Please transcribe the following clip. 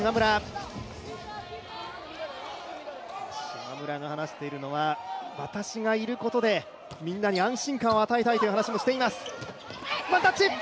島村が話しているのは、私がいることでみんなに安心感を与えたいと。